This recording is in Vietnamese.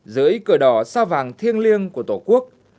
dưới cờ đỏ sao vàng thiêng liêng của tổ quốc